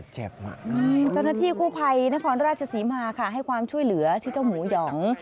เจ้าหน้าที่กู้ภัยนครราชศรีมาค่ะให้ความช่วยเหลือชื่อเจ้าหมูหยอง